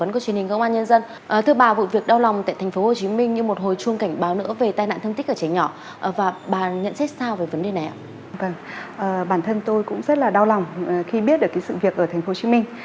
khi biết được sự việc ở thành phố hồ chí minh